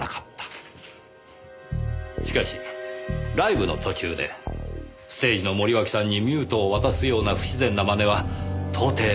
しかしライブの途中でステージの森脇さんにミュートを渡すような不自然なまねは到底無理だった。